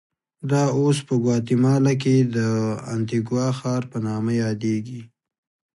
دا اوس په ګواتیمالا کې د انتیګوا ښار په نامه یادېږي.